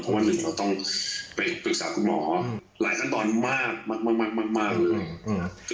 เพราะว่าเราต้องไปปรึกษาคุณหมอหลายขั้นตอนมากเลย